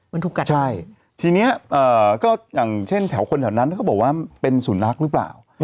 มันถูกกัดใช่ทีนี้ก็อย่างเช่นแถวคนแถวนั้นเขาบอกว่าเป็นสุนัขหรือเปล่า